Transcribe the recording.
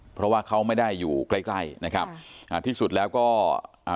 เพราะว่าเขาไม่ได้อยู่ใกล้ใกล้นะครับอ่าที่สุดแล้วก็อ่า